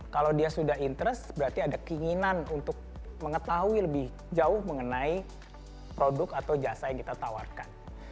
kalau dia sudah interest berarti ada keinginan untuk mengetahui lebih jauh mengenai produk atau jasa yang kita tawarkan